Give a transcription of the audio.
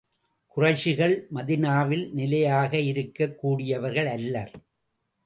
குறைஷிகள் மதீனாவில் நிலையாக இருக்கக் கூடியவர்கள் அல்லர்.